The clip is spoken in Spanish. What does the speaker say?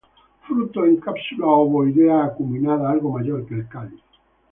Fruto en cápsula ovoidea, acuminada, algo mayor que el cáliz.